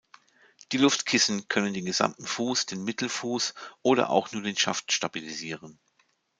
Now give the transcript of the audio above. Die Luftkissen können den gesamten Fuß, den Mittelfuß oder auch nur den Schaft stabilisieren.